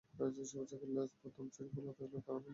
পোশাকে লেস, বোতাম, চেইন থাকলে তার ওপর ইস্তিরি করা যাবে না।